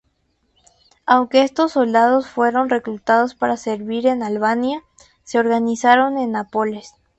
Aunque estos soldados fueron reclutados para servir en Albania, se organizaron en Nápoles.